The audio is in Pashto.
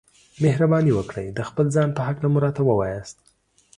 مهرباني وکړئ د خپل ځان په هکله مو راته ووياست.